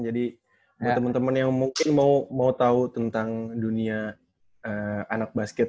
jadi teman teman yang mungkin mau tahu tentang dunia anak basket